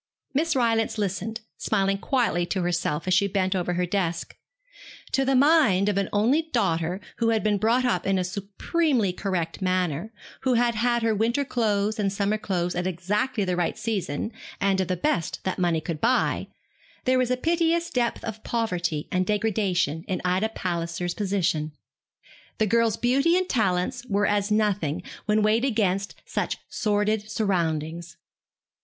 Miss Rylance listened, smiling quietly to herself as she bent over her desk. To the mind of an only daughter, who had been brought up in a supremely correct manner, who had had her winter clothes and summer clothes at exactly the right season, and of the best that money could buy, there was a piteous depth of poverty and degradation in Ida Palliser's position. The girl's beauty and talents were as nothing when weighed against such sordid surroundings.